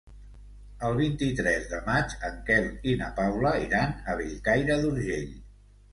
El vint-i-tres de maig en Quel i na Paula iran a Bellcaire d'Urgell.